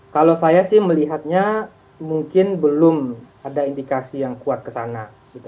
kalau saya sih melihatnya mungkin belum ada indikasi yang kuat kesana